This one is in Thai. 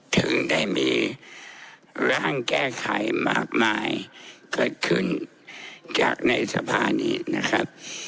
ถึงได้มีร่างแก้ไขมากมายเกิดขึ้นจากในสภานี้นะครับ